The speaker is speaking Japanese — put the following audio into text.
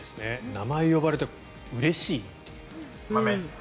名前を呼ばれてうれしいという。